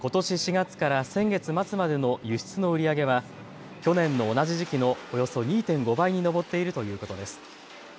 ４月から先月末までの輸出の売り上げは去年の同じ時期のおよそ２．５倍に上っているということです。